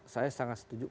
saya sangat setuju